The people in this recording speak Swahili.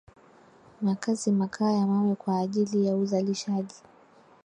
makazi makaa ya mawe kwa ajili ya uzalishaji